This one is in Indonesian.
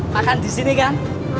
makan disini kan